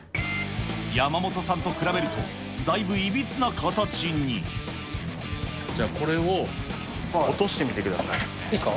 山本さんと比べると、だいぶじゃあ、これを落としてみていいっすか？